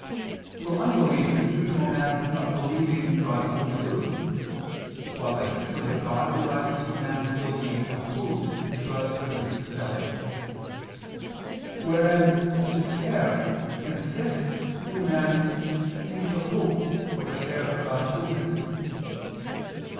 For unbelief is due to a man not believing God's own truth; while the hatred of God arises from man's will being opposed to God's goodness itself; whereas despair consists in a man ceasing to hope for a share of God's goodness.